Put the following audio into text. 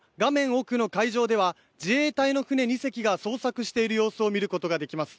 奥の海上では自衛隊の船２隻が捜索している様子を見ることができます。